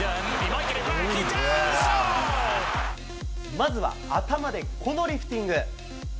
まずは頭でこのリフティング。